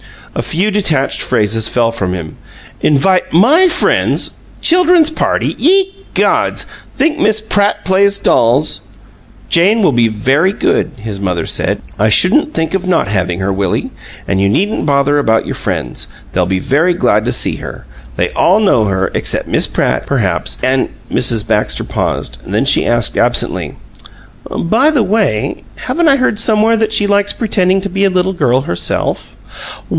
A few detached phrases fell from him: " Invite MY friends children's party ye gods! think Miss Pratt plays dolls " "Jane will be very good," his mother said. "I shouldn't think of not having her, Willie, and you needn't bother about your friends; they'll be very glad to see her. They all know her, except Miss Pratt, perhaps, and " Mrs. Baxter paused; then she asked, absently: "By the way, haven't I heard somewhere that she likes pretending to be a little girl, herself?"